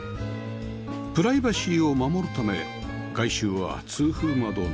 プライバシーを守るため外周は通風窓のみ